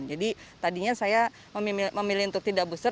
jadi tadinya saya memilih untuk tidak booster